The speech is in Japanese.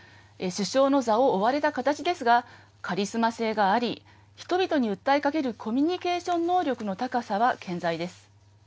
首相の座を追われた形ですが、カリスマ性があり、人々に訴えかけるコミュニケーション能力の高さは健在です。